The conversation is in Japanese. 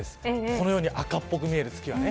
このように赤っぽく見える月はね。